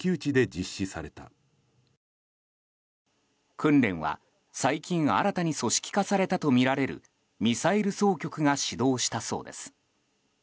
訓練は、最近新たに組織化されたとみられるミサイル総局が指導したそうです。